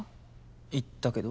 言ったけど？